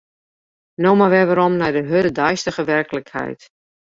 No mar wer werom nei de hurde deistige werklikheid.